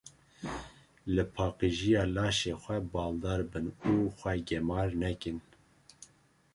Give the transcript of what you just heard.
Li Paqijiya laşê xwe baldar bin û xwe gemar nekin.